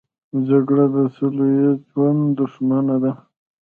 جګړه د سوله ییز ژوند دښمنه ده